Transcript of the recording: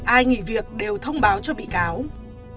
ai nghỉ việc đều có quyền trả lời tại tòa